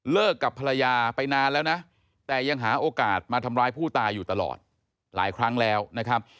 กับภรรยาไปนานแล้วนะแต่ยังหาโอกาสมาทำร้ายผู้ตายอยู่ตลอดหลายครั้งแล้วนะครับ